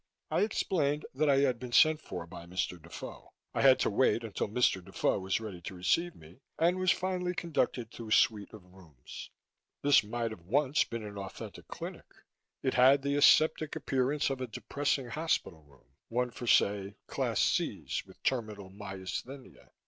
I explained that I had been sent for by Mr. Defoe. I had to wait until Mr. Defoe was ready to receive me and was finally conducted to a suite of rooms. This might have once been an authentic clinic; it had the aseptic appearance of a depressing hospital room. One for, say, Class Cs with terminal myasthenia.